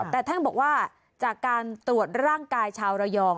แต่ท่านบอกว่าจากการตรวจร่างกายชาวระยอง